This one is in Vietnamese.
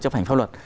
chấp hành pháp luật